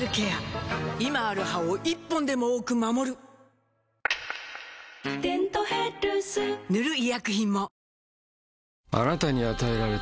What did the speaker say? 今ある歯を１本でも多く守る「デントヘルス」塗る医薬品も